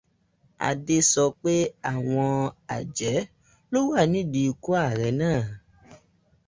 Adé sọ pé àwọn àjẹ́ ló wà nídìí ikú ààrẹ náà